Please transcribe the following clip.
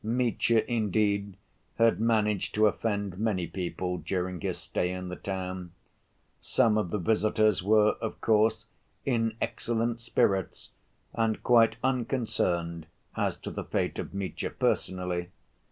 Mitya, indeed, had managed to offend many people during his stay in the town. Some of the visitors were, of course, in excellent spirits and quite unconcerned as to the fate of Mitya personally.